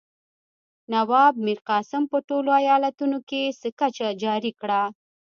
نواب میرقاسم په ټولو ایالتونو کې سکه جاري کړه.